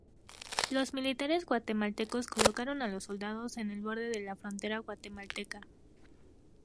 Los militares guatemaltecos colocaron a soldados en el borde de la frontera guatemalteca.